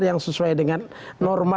yang sesuai dengan norma